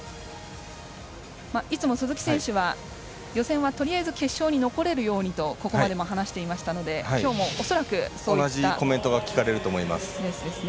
いつも鈴木選手は予選はとりあえず決勝に残れるようにとここまでも話していましたので今日も恐らくそういったレースですね。